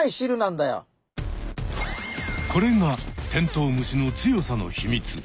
これがテントウムシの強さの秘密。